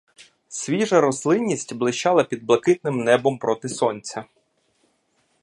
Свіжа рослинність блищала під блакитним небом проти сонця.